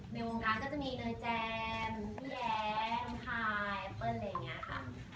ในวงการก็จะมีเลยแจมพี่แย้งพายแอปเปิ้ลอะไรอย่างนี้ค่ะ